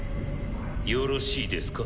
よろしいですか？